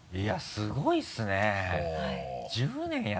すごいですよね。